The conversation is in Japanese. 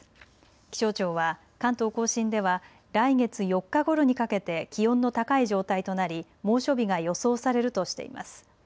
気象庁は関東甲信では来月４日ごろにかけて気温の高い状態となり、猛暑日が予想されるとしています。